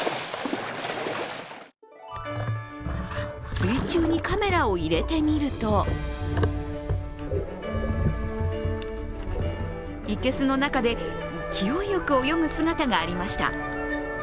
水中にカメラを入れてみると生けすの中で勢いよく泳ぐ姿がありました。